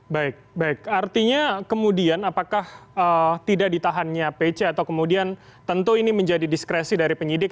baik baik artinya kemudian apakah tidak ditahannya pc atau kemudian tentu ini menjadi diskresi dari penyidik